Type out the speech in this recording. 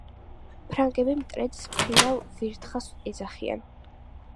ფრანგები მტრედს "მფრინავ ვირთხას" ეძახიან.